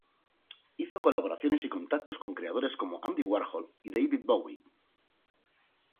Hizo colaboraciones y contactos con creadores como Andy Warhol y David Bowie.